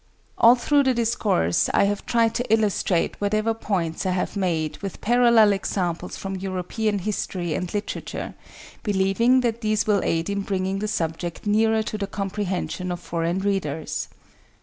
All through the discourse I have tried to illustrate whatever points I have made with parallel examples from European history and literature, believing that these will aid in bringing the subject nearer to the comprehension of foreign readers.